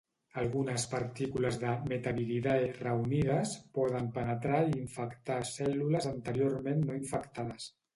Algunes partícules de "Metaviridae" reunides poden penetrar i infectar cèl·lules anteriorment no infectades.